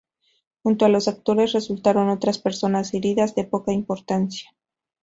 Junto a los actores resultaron otras personas heridas de poca importancia.